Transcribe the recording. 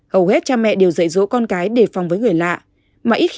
hầu hết cha mẹ đều dạy dỗ con cái để phòng với người lạ